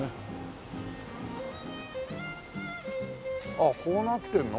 あっこうなってるの？